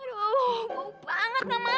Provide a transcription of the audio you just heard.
aduh bau banget nggak mau